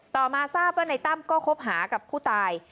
ต่อมาทราบว่าในตั้มก็คบหากับผู้ตาย